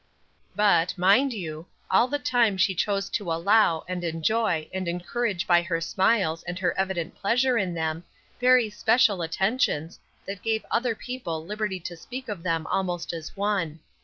But, mind you, all the time she chose to allow, and enjoy, and encourage by her smiles and her evident pleasure in them, very special attentions, that gave other people liberty to speak of them almost as one.